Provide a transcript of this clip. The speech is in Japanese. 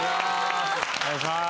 お願いします